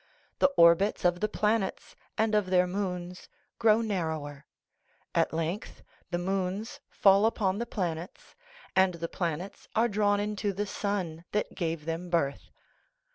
The orbits of the planets and of their moons grow narrower. At length the moons fall upon the planets, and the planets are drawn into the sun that gave them birth.